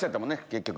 結局。